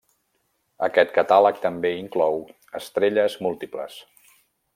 Aquest catàleg també inclou estrelles múltiples.